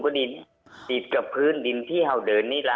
กว่าดินติดกับพื้นดินที่เราเดินนี้ล่ะอ๋อ